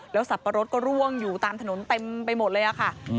แล้วสับปะรดก็ร่วงอยู่ตามถนนเต็มไปหมดเลยอะค่ะ